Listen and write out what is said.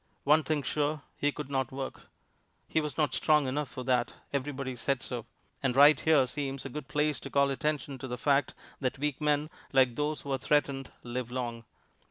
One thing sure, he could not work: he was not strong enough for that everybody said so. And right here seems a good place to call attention to the fact that weak men, like those who are threatened, live long.